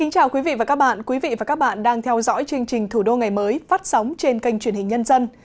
chào các bạn quý vị và các bạn đang theo dõi chương trình thủ đô ngày mới phát sóng trên kênh truyền hình nhân dân